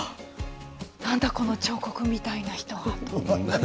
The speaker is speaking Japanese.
何だこの彫刻みたいな人はって。